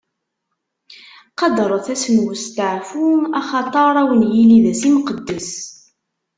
Qadret ass n westeɛfu, axaṭer ad wen-yili d ass imqeddes.